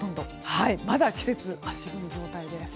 まだ季節、足踏み状態です。